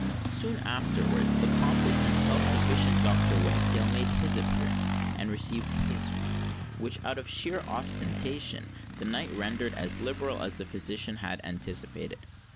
Soon afterwards the pompous and self sufficient Dr. Wagtail made his appearance, and received his fee, which, out of sheer ostentation, the knight rendered as liberal as the physician had anticipated.